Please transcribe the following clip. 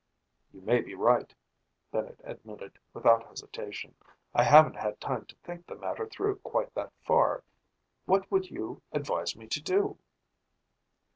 "You may be right," Bennett admitted without hesitation. "I haven't had time to think the matter through quite that far. What would you advise me to do?"